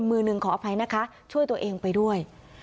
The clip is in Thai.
มือหนึ่งขออภัยนะคะช่วยตัวเองไปด้วย